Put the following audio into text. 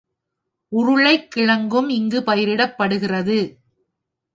உருளைக்கிழங்கும் இங்கு பயிரிடப்படுகிறது.